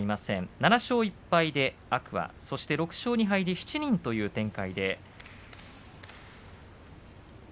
７勝１敗で天空海そして６勝２敗で７人という展開です。。